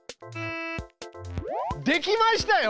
できましたよ！